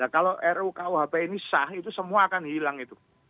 kalau rukuhp ini sah itu semua akan hilang itu